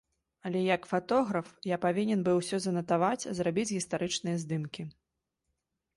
Але як фатограф, я павінен быў усё занатаваць, зрабіць гістарычныя здымкі.